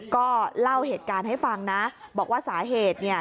ก็เล่าเหตุการณ์ให้ฟังนะบอกว่าสาเหตุเนี่ย